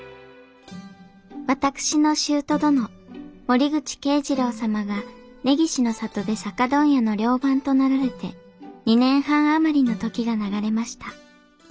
森口慶次郎様が根岸の里で酒問屋の寮番となられて２年半余りの時が流れました。